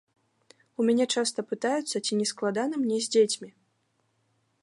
У мяне часта пытаюцца, ці не складана мне з дзецьмі.